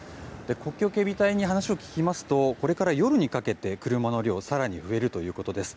国境警備隊に話を聞きますとこれから夜にかけて車の量が更に増えるということです。